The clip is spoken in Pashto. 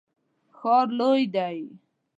ښار لوی دی